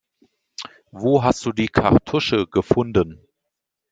Wo hast du die Kartusche gefunden?